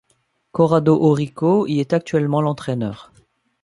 Corrado Orrico y est actuellement l'entraineur.